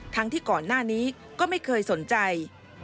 ทั้งที่ก่อนหน้านี้ก็ไม่เคยสนใจ